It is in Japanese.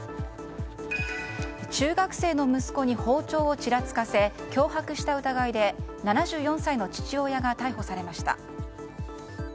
中学生の息子に包丁をちらつかせ脅迫した疑いで７４歳の父親が逮捕されました。